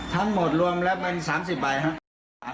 ทั้งหมดรวมแล้วมัน๓๐ใบฮะ